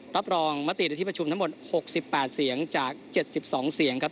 รับรองมติในที่ประชุมทั้งหมด๖๘เสียงจาก๗๒เสียงครับ